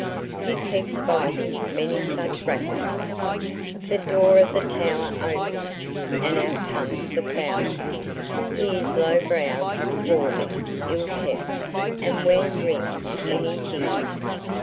He keeps by him many such racquets. The door of the tower opens, and out comes the fowler. He is lowbrowed, swarthy, ill kept, and wears rings in his ears.